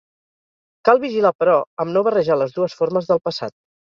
Cal vigilar, però, amb no barrejar les dues formes del passat.